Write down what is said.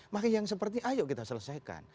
maka yang seperti ini ayo kita selesaikan